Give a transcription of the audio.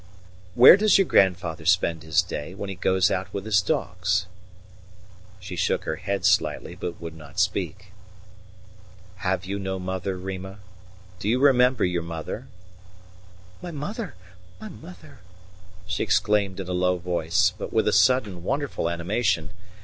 "Where does your grandfather spend his day when he goes out with his dogs?" She shook her head slightly, but would not speak. "Have you no mother, Rima? Do you remember your mother?" "My mother! My mother!" she exclaimed in a low voice, but with a sudden, wonderful animation.